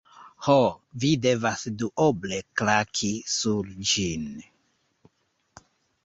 Ho, vi devas duoble klaki sur ĝin.